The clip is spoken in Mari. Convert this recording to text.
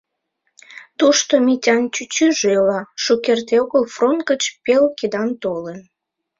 Тушто Митян чӱчӱжӧ ила, шукерте огыл фронт гыч пел кидан толын.